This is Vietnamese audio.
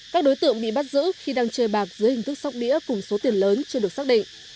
các đối tượng bị bắt giữ khi đang chơi bạc dưới hình thức sóc đĩa cùng số tiền lớn chưa được xác định